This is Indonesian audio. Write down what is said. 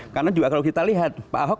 karena juga kalau kita lihat pak ahok